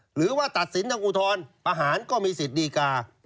หรือว่าตัดสินทางอุทธรณ์ประหารก็มีสิทธิ์ดีกา